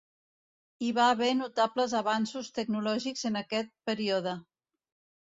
Hi va haver notables avanços tecnològics en aquest període.